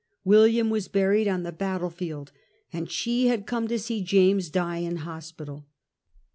William was buried on the battle field, and she had come to see James die in hospital.